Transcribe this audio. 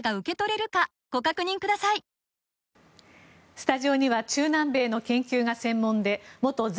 スタジオには中南米の研究が専門で元在